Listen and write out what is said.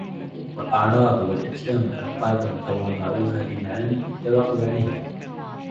وَالْأَعْرَاضَ وَالْأَجْسَامَ أَلْقَابًا تَوَاضَعُوهَا لِمَعَانٍ اتَّفَقُوا عَلَيْهَا